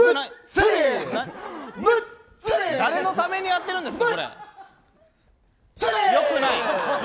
誰のためにやってるんですか。